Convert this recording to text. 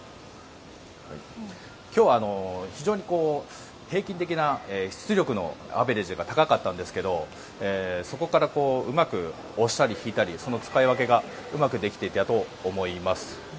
今日は、非常に平均的な出力のアベレージが高かったんですけどそこからうまく押したり引いたりその使い分けがうまくできていたと思います。